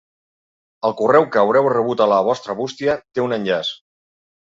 El correu que haureu rebut a la vostra bústia té un enllaç.